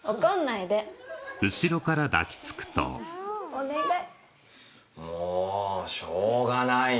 お願い。